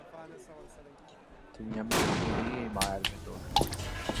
তুমি আমি সকলেই এই মায়ার ভেতর।